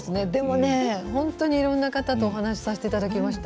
本当にいろんな方とお話しさせていただきました。